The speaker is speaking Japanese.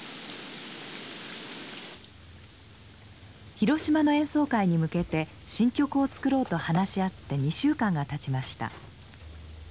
広島の演奏会に向けて新曲を作ろうと話し合って２週間がたちました。